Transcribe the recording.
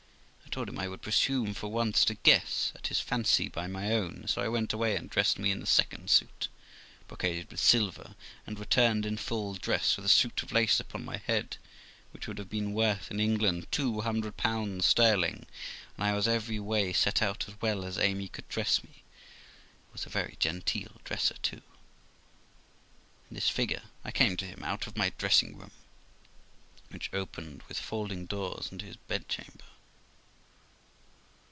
I told him I would presume for once to guess at his fancy by my own; so I went away, and dressed me in the second suit, brocaded with silver, and returned in full dress, with a suit of lace upon my head, which would have been worth in England two hundred pounds sterling; and I was every way set out as well as Amy could dress me, who was a very genteel dresser too. In this figure I came to him, out of my dressing room, which opened with folding doors into his bedchamber.